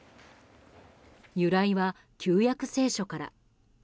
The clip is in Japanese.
由来は旧約聖書から。